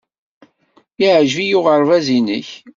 Yeɛjeb-iyi uɣerbaz-nnek.